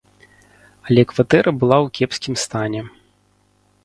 Але кватэра была ў кепскім стане.